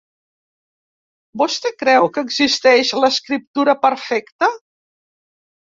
Vostè creu que existeix l'escriptura perfecta?